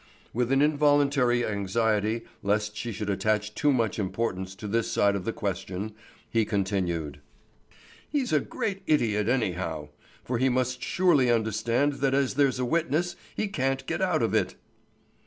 With an involuntary anxiety lest she should attach too much importance to this side of the question, he continued: "He's a great idiot anyhow; for he must surely understand that as there's a witness, he can't get out of it."